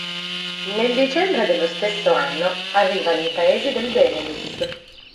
Nel dicembre dello stesso anno arriva nei paesi del Benelux.